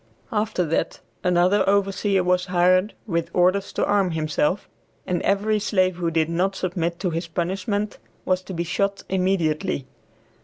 After that another overseer was hired, with orders to arm himself, and every slave who did not submit to his punishment was to be shot immediately.